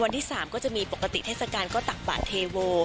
ที่๓ก็จะมีปกติเทศกาลก็ตักบาทเทโว